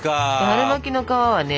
春巻きの皮はね